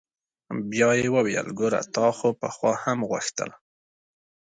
بيا يې وويل ګوره تا خو پخوا هم غوښتل.